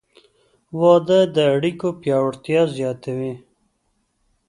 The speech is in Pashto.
• واده د اړیکو پیاوړتیا زیاتوي.